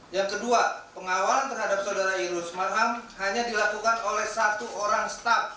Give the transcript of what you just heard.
yang kedua pengawalan terhadap saudara idrus marham hanya dilakukan oleh satu orang staff